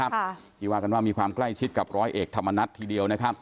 ทีวากันว่ามีความใกล้ชิดกับร้อยเอกธรรมนัสทีเดียว